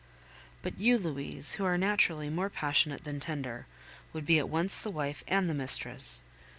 But you, Louise, who are naturally more passionate than tender, would be at once the wife and the mistress.